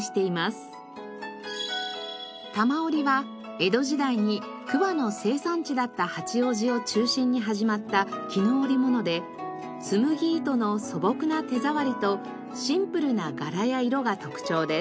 多摩織は江戸時代に桑の生産地だった八王子を中心に始まった絹織物で紬糸の素朴な手触りとシンプルな柄や色が特徴です。